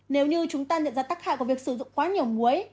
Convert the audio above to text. nếu như chúng ta nhận ra tác hại của việc sử dụng quá nhiều muối